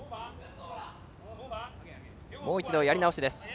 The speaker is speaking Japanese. もう一度やり直しです。